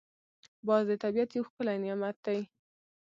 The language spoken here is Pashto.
باز د طبیعت یو ښکلی نعمت دی